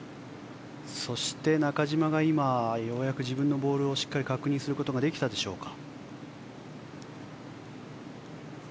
そして、中島がようやく自分のボールをしっかり確認することができたでしょうか。